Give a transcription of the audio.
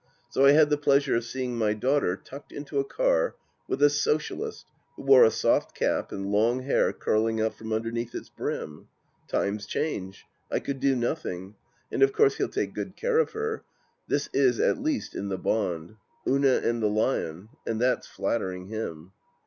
So I had the pleasure of seeing my daughter tucked into a car with a Socialist who wore a soft cap and long hair curling out from underneath its brim. Times change ! I could do nothing. And of course he'll take good care of her. This is at least in the bond. ... Una and the Lion I And that's flattering him.